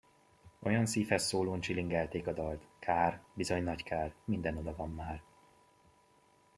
Olyan szívhez szólón csilingelték a dalt: Kár, bizony nagy kár, minden oda van már!